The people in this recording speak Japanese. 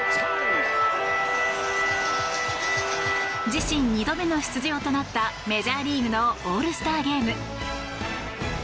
自身２度目の出場となったメジャーリーグのオールスターゲーム。